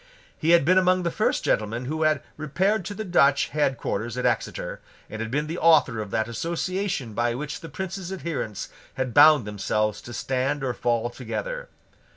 He had been among the first gentlemen who had repaired to the Dutch head quarters at Exeter, and had been the author of that association by which the Prince's adherents had bound themselves to stand or fall together.